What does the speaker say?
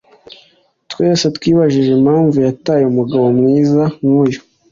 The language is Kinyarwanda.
Twese twibajije impamvu yataye umugabo mwiza nkuyu.